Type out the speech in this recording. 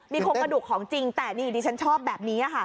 โครงกระดูกของจริงแต่นี่ดิฉันชอบแบบนี้ค่ะ